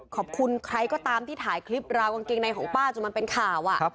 ขอบคุณใครก็ตามที่ถ่ายคลิปราวกางเกงในของป้าจนมันเป็นข่าว